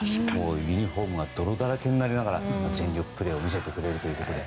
ユニホームが泥だらけになりながら全力プレーを見せてくれるわけで。